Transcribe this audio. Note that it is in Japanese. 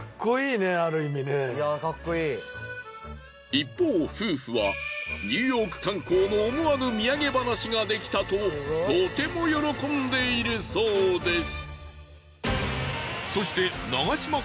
一方夫婦はニューヨーク観光の思わぬ土産話ができたととても喜んでいるそうです。